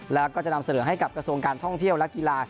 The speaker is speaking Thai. แล้วก็จะนำเสนอให้กับกระทรวงการท่องเที่ยวและกีฬา